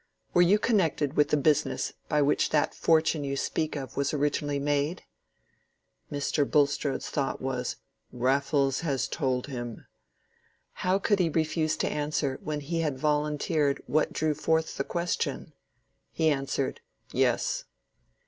Were you connected with the business by which that fortune you speak of was originally made?" Mr. Bulstrode's thought was, "Raffles has told him." How could he refuse to answer when he had volunteered what drew forth the question? He answered, "Yes."